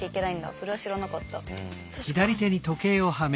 それは知らなかった。